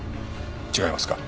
違いますか？